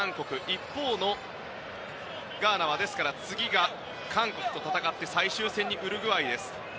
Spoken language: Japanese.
一方のガーナは次が韓国と戦って最終戦にウルグアイです。